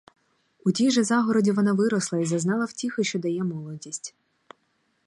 У тій же загороді вона виросла й зазнала втіхи, що дає молодість.